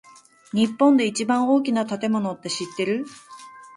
日本で一番大きな建物って知ってる？